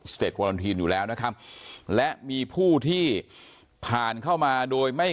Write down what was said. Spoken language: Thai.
เตควารันทีนอยู่แล้วนะครับและมีผู้ที่ผ่านเข้ามาโดยไม่